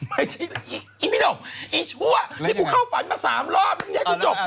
ไม่ใช่ไอ้ผู้โด่งไอ้ชั่วนี่กูเข้าฝันมา๓รอบนี่ให้กูจบมั้ย